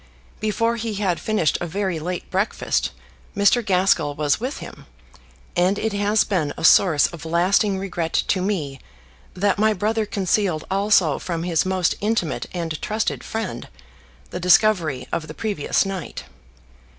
Before he had finished a very late breakfast Mr. Gaskell was with him, and it has been a source of lasting regret to me that my brother concealed also from his most intimate and trusted friend the discovery of the previous night.